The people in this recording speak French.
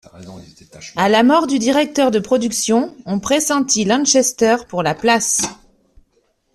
À la mort du directeur de production, on pressentit Lanchester pour la place.